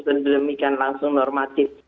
dan demikian langsung normatif